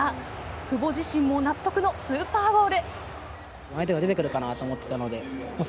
久保自身も納得のスーパーゴール。